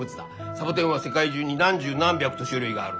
サボテンは世界中に何十何百と種類があるんだよ。